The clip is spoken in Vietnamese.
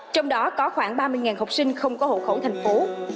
trong đó có khoảng ba mươi học sinh không có hộ khẩu thành phố